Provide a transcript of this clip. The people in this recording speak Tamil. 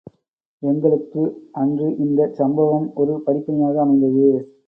எங்களுக்கு அன்று இந்தச் சம்பவம் ஒரு படிப்பினையாக அமைந்தது.